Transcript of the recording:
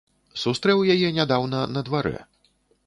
Сустрэў яе нядаўна на дварэ.